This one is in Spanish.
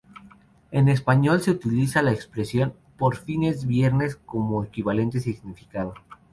En español se utiliza la expresión ""Por fin es viernes"" con equivalente significado.